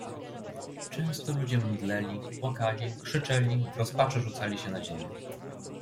"Często ludzie mdleli, płakali, krzyczeli, w rozpaczy rzucali się na ziemię."